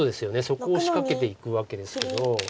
そこを仕掛けていくわけですけど。